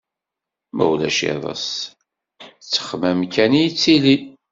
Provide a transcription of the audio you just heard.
Ma ulac iḍes, d ttexmam kan i yettilin.